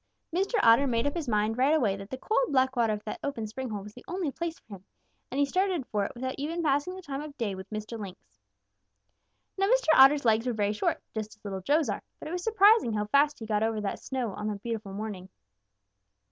Mr. Otter made up his mind right away that the cold, black water of that open spring hole was the only place for him, and he started for it without even passing the time of day with Mr. Lynx. "Now Mr. Otter's legs were very short, just as Little Joe's are, but it was surprising how fast he got over the snow that beautiful morning.